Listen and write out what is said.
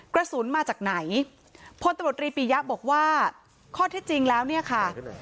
กระสุนมาจากไหนพลตำรวจรีปียะบอกว่าข้อที่จริงแล้วเนี่ยค่ะ